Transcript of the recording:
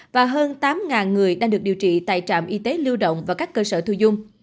và hơn tám người đang được điều trị tại trạm y tế lưu động và các cơ sở thu dung